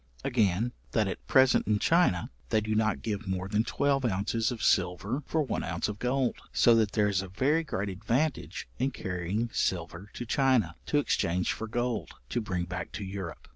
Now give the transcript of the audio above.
Again, that at present in China, they do not give more than twelve ounces of silver for one ounce of gold, so that there is a very great advantage in carrying silver to China, to exchange for gold, to bring back to Europe.